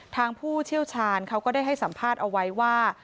ผู้เชี่ยวชาญเขาก็ได้ให้สัมภาษณ์เอาไว้ว่า